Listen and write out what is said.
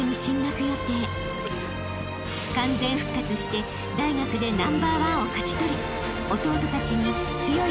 ［完全復活して大学でナンバーワンを勝ち取り］